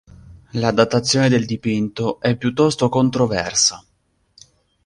La datazione del dipinto è piuttosto controversa.